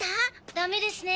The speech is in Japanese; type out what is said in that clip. ダメですね。